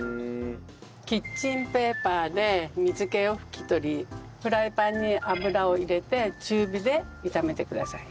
キッチンペーパーで水気を拭き取りフライパンに油を入れて中火で炒めてください。